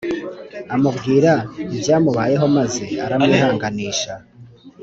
Amubwira ibyamubayeho maze aramwihanganisha